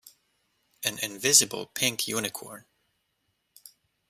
An invisible pink unicorn.